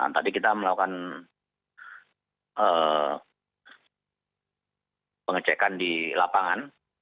tadi kita melakukan pengecekan di lapangan